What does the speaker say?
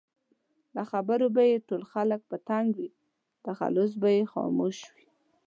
له خبرو به یې ټول خلک په تنګ وي؛ تخلص به یې خاموش وي